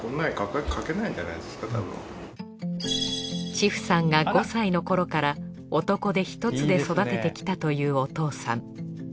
茅布さんが５歳の頃から男手１つで育ててきたというお父さん。